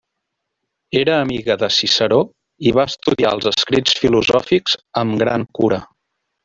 Era amiga de Ciceró i va estudiar els escrits filosòfics amb gran cura.